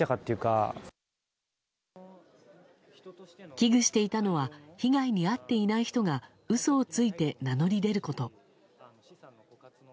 危惧していたのは被害に遭っていない人が嘘をついて名乗り出ること。